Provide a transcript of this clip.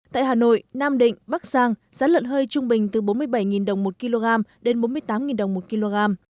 tại hà nội nam định bắc giang giá lợn hơi trung bình từ bốn mươi bảy đồng một kg đến bốn mươi tám đồng một kg